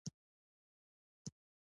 نیک عمل د ټولنې د پرمختګ لپاره مهم دی.